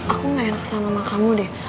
aku gak yang kesal sama mama kamu deh